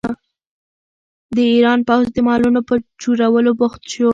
د ایران پوځ د مالونو په چورولو بوخت شو.